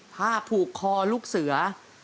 ผ้าผูกคอลูกเสือ